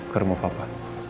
ke rumah papa